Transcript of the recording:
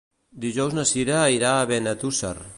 Dijous na Cira irà a Benetússer.